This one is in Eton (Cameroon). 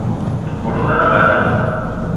Oloun o ne ma anem.